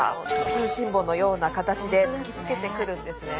通信簿のような形で突きつけてくるんですね。